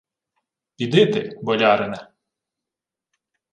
— Піди ти, болярине.